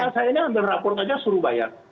anak anak saya ini ambil rapor saja suruh bayar